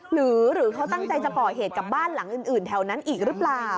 หรือเขาตั้งใจจะก่อเหตุกับบ้านหลังอื่นแถวนั้นอีกหรือเปล่า